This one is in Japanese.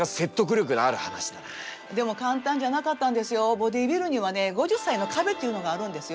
ボディービルにはね５０歳の壁っていうのがあるんですよ。